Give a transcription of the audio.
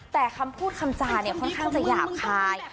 แต่คำพูดคำจาเนี่ยค่อนข้างจะหยาบคาย